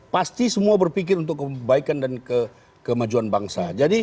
pasti semua berpikir untuk kebaikan dan kemajuan bangsa